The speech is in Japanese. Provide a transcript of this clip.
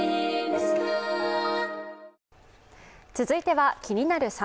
続いては「気になる！